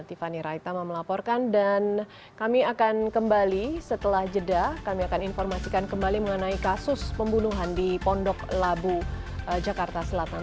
tiffany raitama melaporkan dan kami akan kembali setelah jeda kami akan informasikan kembali mengenai kasus pembunuhan di pondok labu jakarta selatan